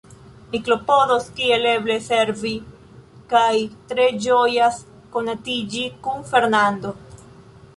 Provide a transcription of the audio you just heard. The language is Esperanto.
Mi klopodos kiel eble servi, kaj tre ĝojas konatiĝi kun Fernando.